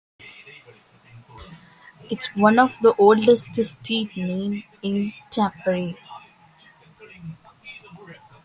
It is one of the oldest street names in Tampere.